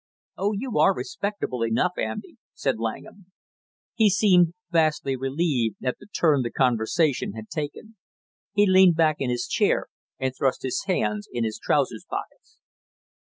"Oh, you are respectable enough, Andy!" said Langham. He seemed vastly relieved at the turn the conversation had taken. He leaned back in his chair and thrust his hands in his trousers pockets.